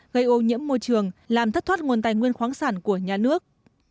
gây ô nhiễm môi trường làm thất thoát nguồn tài nguyên khoáng sản của nhà nước